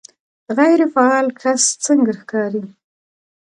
غیر فعال کس څنګه ښکاري